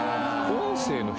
音声の人⁉